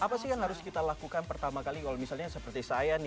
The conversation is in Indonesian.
apa sih yang harus kita lakukan pertama kali kalau misalnya seperti saya nih